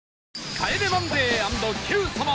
『帰れマンデー』＆『Ｑ さま！！』